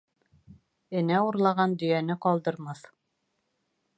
Энә урлаған дөйәне ҡалдырмаҫ.